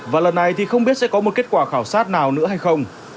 và lần này thì không biết sẽ có một kết quả khảo sát nào nữa hay không